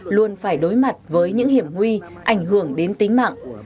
luôn phải đối mặt với những hiểm nguy ảnh hưởng đến tính mạng